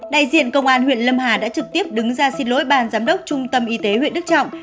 đại diện công an huyện lâm hà đã trực tiếp đứng ra xin lỗi ban giám đốc trung tâm y tế huyện đức trọng